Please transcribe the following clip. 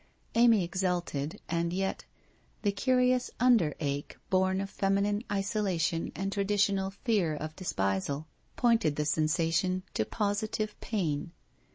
Amy exulted, and yet — the curious under ache born of feminine isolation and tra ditional fear of despisal pointed the sensation to positive pain.